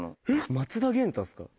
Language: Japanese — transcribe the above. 松田元太っすか。